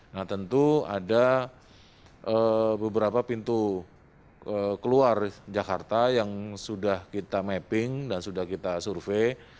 nah tentu ada beberapa pintu keluar jakarta yang sudah kita mapping dan sudah kita survei